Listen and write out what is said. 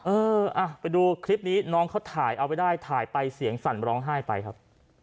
เอออ่ะไปดูคลิปนี้น้องเขาถ่ายเอาไว้ได้ถ่ายไปเสียงสั่นร้องไห้ไปครับ